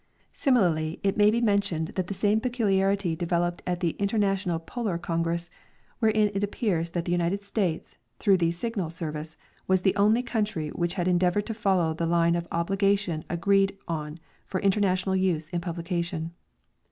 Similarly it may be mentioned that the same peculiarity developed at the Interna tional polar congress, wherein it appears that the United States, Extent of the Signal Service. 91 through the Signal service, was the onl_v country which had endeavored to follow the line of oliligation agreed on for inter national use in publication.